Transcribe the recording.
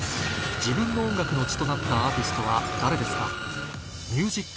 自分の音楽の血となったアーティストは誰ですか？